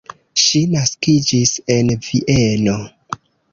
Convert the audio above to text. Ŝi naskiĝis en Vieno.